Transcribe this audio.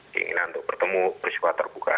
keinginan untuk bertemu bersifat terbuka